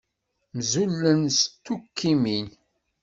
Mzulen s tukkimin.